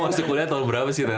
masih kuliah tahun berapa sih terra